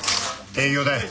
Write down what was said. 営業だよ。